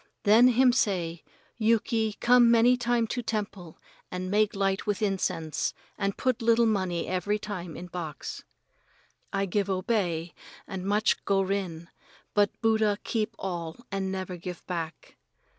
Then him say, 'Yuki, come many time to temple and make light with incense and put little money every time in box.' I give obey and much go rin, but Buddha keep all and never give back."